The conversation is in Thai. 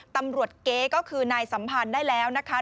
เก๊ก็คือนายสัมพันธ์ได้แล้วนะคะ